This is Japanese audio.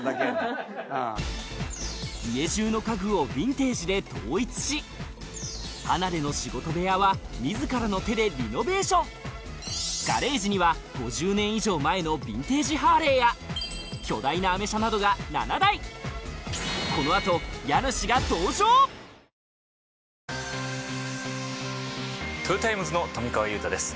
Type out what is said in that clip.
家中の家具をヴィンテージで統一し離れの仕事部屋は自らの手でリノベーションガレージには５０年以上前の巨大なアメ車などが７台トヨタイムズの富川悠太です